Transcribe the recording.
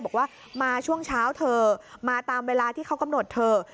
บอกว่ามาช่วงเช้าเถอะมาตามเวลาที่เขากำหนดเถอะ